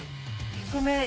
低め。